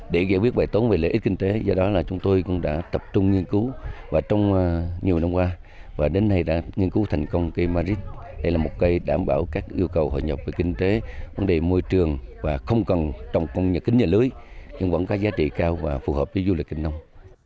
để giải quyết bài tốn về lợi ích kinh tế do đó là chúng tôi cũng đã tập trung nghiên cứu và trong nhiều năm qua và đến nay đã nghiên cứu thành công cây madrid đây là một cây đảm bảo các yêu cầu hội nhập về kinh tế vấn đề môi trường và không cần trong công nhà kính nhà lưới nhưng vẫn có giá trị cao và phù hợp với du lịch kinh nông